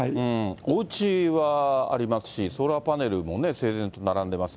おうちはありますし、ソーラーパネルも整然と並んでます。